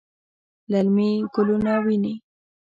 للمي ګلونه ویني